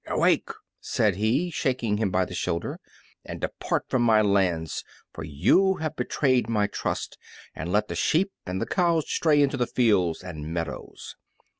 "Awake!" said he, shaking him by the shoulder, "and depart from my lands, for you have betrayed my trust, and let the sheep and the cows stray into the fields and meadows!"